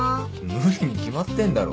無理に決まってんだろ。